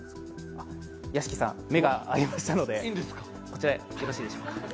屋敷さん、目が合いましたのでこちらによろしいでしょうか。